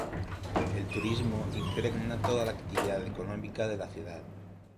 El turismo impregna toda la actividad económica de la ciudad.